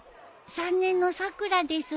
３年のさくらです。